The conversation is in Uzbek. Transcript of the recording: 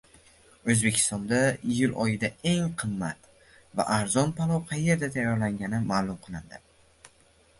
O‘zbekistonda iyul oyida eng qimmat va arzon palov qayerda tayyorlangani ma’lum qilindi